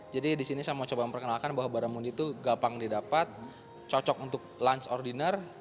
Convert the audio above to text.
jadi disini saya mau coba memperkenalkan bahwa baramudi itu gampang didapat cocok untuk lunch or dinner